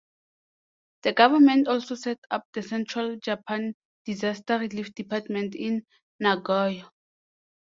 The government also set up the Central Japan Disaster Relief Department in Nagoya.